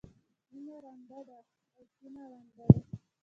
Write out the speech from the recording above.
مینه رانده ده او کینه ړنده ده.